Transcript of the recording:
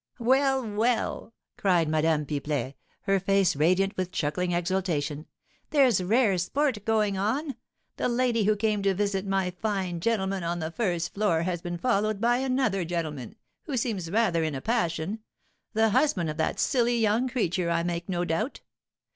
"Well! well!" cried Madame Pipelet, her face radiant with chuckling exultation; "there's rare sport going on! The lady who came to visit my fine gentleman on the first floor has been followed by another gentleman, who seems rather in a passion, the husband of that silly young creature, I make no doubt.